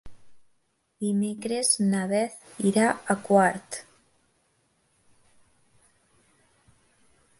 Dimecres na Beth irà a Quart.